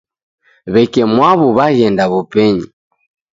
W'eke mwaw'u w'aghenda w'upenyi